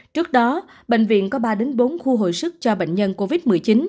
trước đó bệnh viện có ba bốn khu hồi sức cho bệnh nhân covid một mươi chín